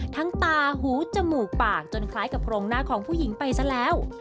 ตาหูจมูกปากจนคล้ายกับโครงหน้าของผู้หญิงไปซะแล้ว